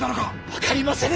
分かりませぬ！